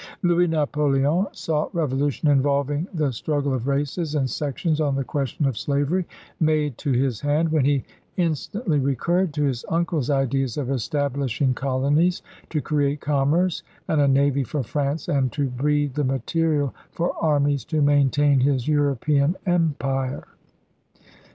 Louis Napoleon saw revolution involving the struggle of races and sections on the question of slavery made to his hand, when he instantly re curred to his uncle's ideas of establishing colonies to create commerce and a navy for France and to breed the material for armies to maintain his European empire.